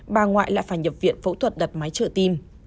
bà ngoại lại phải nhập viện phẫu thuật đặt máy trợ tim